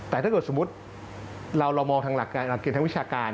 แต่ถ้าเกิดสมมุติเรามองทางหลักเกณฑ์ทางวิชาการ